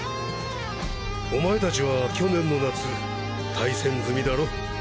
お前達は去年の夏対戦済みだろ？